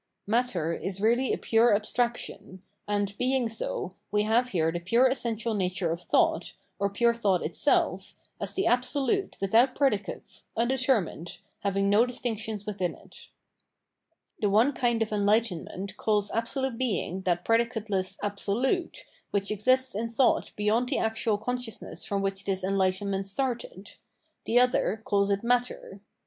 Matter is really a pure abstraction ; and, being so, we have here the pure essential nature of thought, or pure thought itself, as the Absolute without predicates, undetermined, having no distinctions within it.* The one kind of enlightenment calls absolute Being that predicateless Absolute, which exists in thought beyond the actual consciousness from which this en lightenment started ; the other calls it matter.